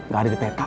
gak ada di pekak